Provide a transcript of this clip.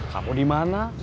kamu di mana